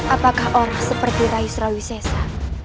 apakah orang seperti rai surawisesa